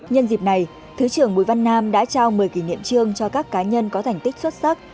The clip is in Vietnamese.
nhân dịp này thứ trưởng bùi văn nam đã trao một mươi kỷ niệm trương cho các cá nhân có thành tích xuất sắc